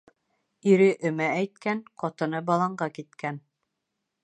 Ире өмә әйткән, ҡатыны баланға киткән.